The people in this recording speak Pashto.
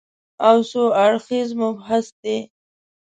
او څو اړخیز مبحث دی